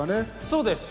そうです。